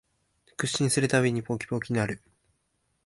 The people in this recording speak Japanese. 屈伸するたびにポキポキ鳴る